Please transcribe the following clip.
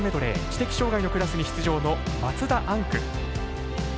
知的障がいのクラスに出場の松田天空。